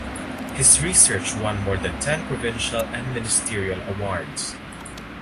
His research won more than ten provincial and ministerial awards.